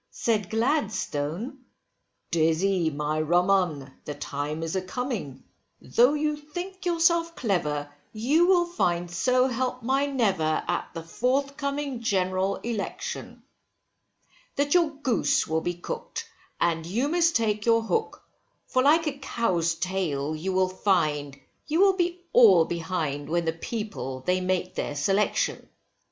Said Gladstone, Dizzy my rum 'un, the time is a coming, though you think yourself clever, you will find so help my never, at the forthcoming general election, That your goose will be cooked, and you must take your hook, for like a cow's tail you will find, you will be all behind, when the people they make their selection.